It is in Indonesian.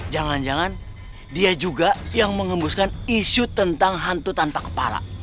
jangan jangan dia juga yang mengembuskan isu tentang hantu tanpa kepala